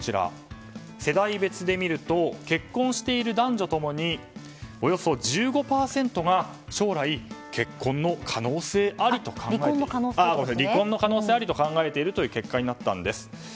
世代別で見ると結婚している男女共におよそ１５％が将来離婚の可能性ありと考えているという結果になったんです。